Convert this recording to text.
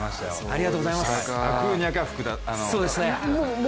ありがとうございます。